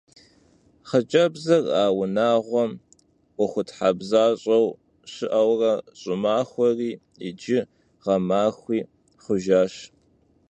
Xhıcebzır a vunağuem 'Uexuthebzaş'eu şı'eure ş'ımaxueri yiç'ri ğemaxui xhujjaş.